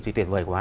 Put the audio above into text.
thì tuyệt vời quá